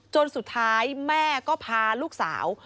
จนสุดท้ายแม่ก็พาลูกสาว